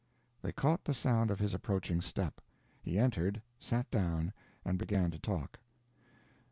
They caught the sound of his approaching step. He entered, sat down, and began to talk.